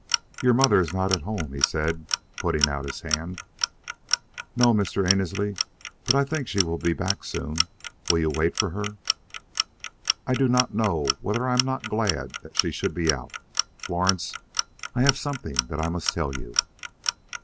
"Your mother is not at home," he said, putting out his hand. "No, Mr. Annesley, but I think she will be back soon. Will you wait for her?" "I do not know whether I am not glad that she should be out. Florence, I have something that I must tell you."